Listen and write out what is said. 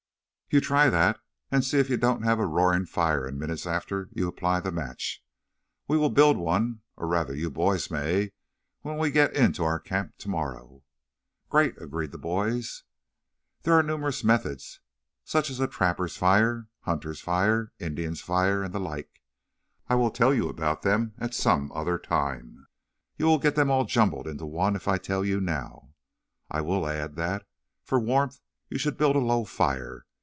You try that and see if you don't have a roaring fire in a minute after you apply the match. We will build one, or rather you boys may, when we get into our camp tomorrow." "Great!" agreed the boys. "There are numerous methods, such as 'trapper's fire,' 'hunter's fire,' 'Indian's fire,' and the like. I will tell you about them at some other time. You will get them all jumbled into one if I tell you now. I will add that, for warmth, you should build a low fire.